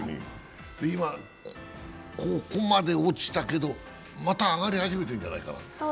今、ここまで落ちたけど、また上がり始めているんじゃないかな。